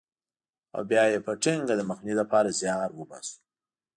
او بیا یې په ټینګه د مخنیوي لپاره زیار وباسو.